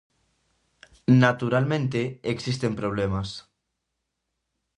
Naturalmente, existen problemas.